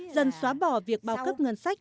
dân xóa bỏ việc bao cấp ngân sách